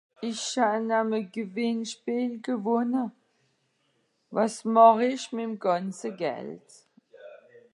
Ìch ha-n-am e Gewìnnspiel gewonne. Wàs màch-ìch mì'm gànze Geld?